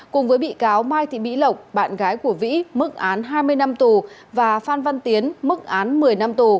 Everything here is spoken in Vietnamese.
cùng với bị cáo mai thị mỹ lộc bạn gái của vĩ mức án hai mươi năm tù và phan văn tiến mức án một mươi năm tù